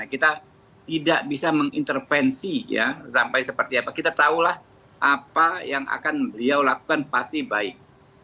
kita tidak bisa mengintervensi ya sampai seperti apa kita tahulah apa yang akan beliau lakukan pasti baik